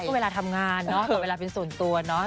ก็เวลาทำงานเนอะกับเวลาเป็นส่วนตัวเนาะ